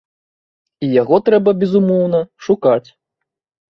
І яго трэба, безумоўна, шукаць.